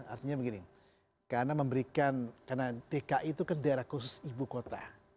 artinya begini karena memberikan karena dki itu kan daerah khusus ibu kota